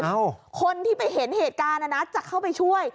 คนที่ไปเห็นเหตุการณ์นะนะจะเข้าไปช่วย